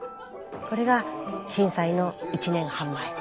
これが震災の１年半前。